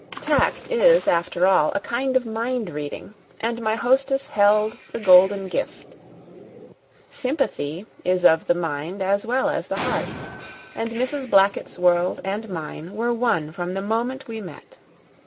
Tact is after all a kind of mindreading, and my hostess held the golden gift. Sympathy is of the mind as well as the heart, and Mrs. Blackett's world and mine were one from the moment we met.